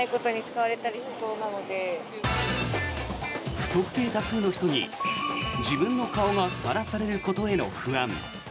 不特定多数の人に自分の顔がさらされることへの不安。